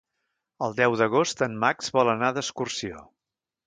El deu d'agost en Max vol anar d'excursió.